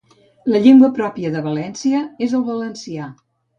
La llengua pròpia de Valéncia és el valencià.